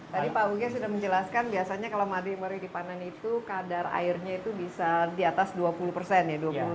tadi pak uge sudah menjelaskan biasanya kalau madu yang baru dipanen itu kadar airnya itu bisa di atas dua puluh persen ya